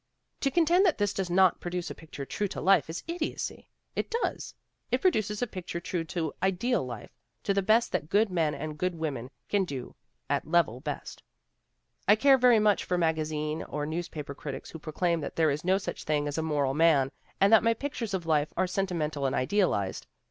To contend that this does not produce a pic ture true to life is idiocy. It does. It produces a pic ture true to ideal life; to the best that good men and good women can do at level best. " 'I care very little for the magazine or newspaper critics who proclaim that there is no such thing as a moral man, and that my pictures of life are senti mental and idealized.